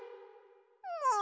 もう！